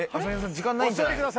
時間ないんじゃない？